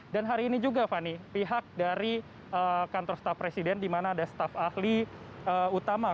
dan hari ini juga fani pihak dari kantor staf presiden di mana ada staf ahli utama